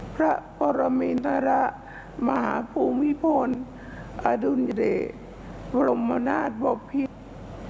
พระปรมิณระมหาภูมิพลอดุลเยดบรมนาศบพิธร